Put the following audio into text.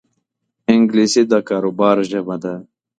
انګلیسي د کاروبار ژبه ده